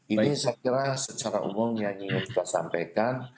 ini saya kira secara umum yang ingin kita sampaikan